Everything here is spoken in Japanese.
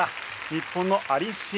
日本のアリシエ